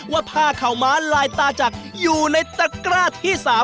ว่าผ้าข่าวม้าลายตาจักรอยู่ในตะกร้าที่๓